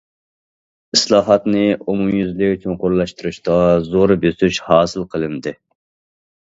ئىسلاھاتنى ئومۇميۈزلۈك چوڭقۇرلاشتۇرۇشتا زور بۆسۈش ھاسىل قىلىندى.